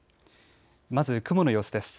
まず雲の様子です。